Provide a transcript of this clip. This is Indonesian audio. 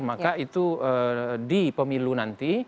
maka itu di pemilu nanti